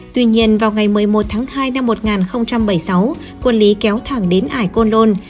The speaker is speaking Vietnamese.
tuy nhiên vào ngày một mươi một tháng hai năm một nghìn bảy mươi sáu quân lý kéo thẳng đến ải côn lôn